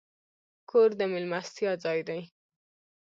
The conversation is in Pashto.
کور د میلمستیا ځای دی.